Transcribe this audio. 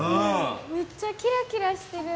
むっちゃキラキラしてる。